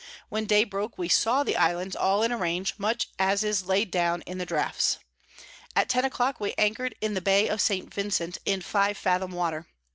When day broke, we saw the Islands all in a range, much as is laid down in the Draughts. At ten a clock we anchored in the Bay of St. Vincent in five fathom Water.